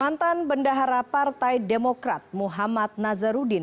mantan bendahara partai demokrat muhammad nazarudin